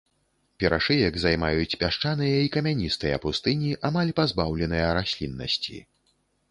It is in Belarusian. Перашыек займаюць пясчаныя і камяністыя пустыні, амаль пазбаўленыя расліннасці.